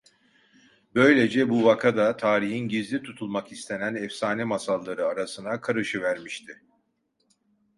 Böylece bu vaka da tarihin gizli tutulmak istenen efsane masalları arasına karışıvermişti.